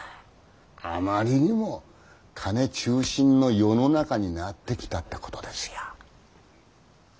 あまりにも金中心の世の中になってきたってことですよ。